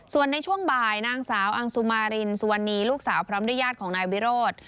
ส่วนในช่วงบ่ายนางสาวอังสุมารินสุวรรณีลูกสาวพร้อมด้วยญาติของนายวิโรธ